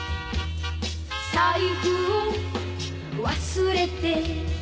「財布を忘れて」